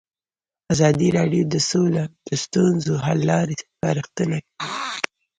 ازادي راډیو د سوله د ستونزو حل لارې سپارښتنې کړي.